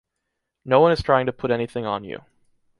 No one is trying to put anything on you.